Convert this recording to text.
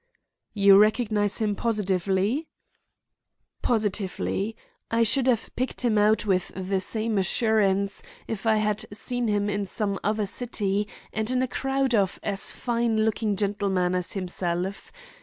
"You recognize him positively?" "Positively. I should have picked him out with the same assurance, if I had seen him in some other city and in a crowd of as fine looking gentlemen as himself.